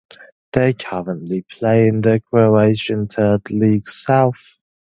They currently play in the Croatian Third League - South.